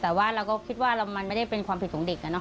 แต่ว่าเราก็คิดว่ามันไม่ได้เป็นความผิดของเด็ก